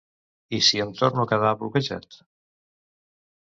I si em torno a quedar bloquejat?